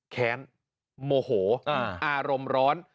แค้นโมโหอารมณ์ร้อน